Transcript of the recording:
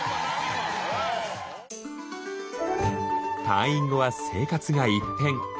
退院後は生活が一変。